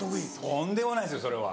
とんでもないですよそれは。